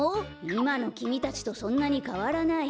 いまのきみたちとそんなにかわらない。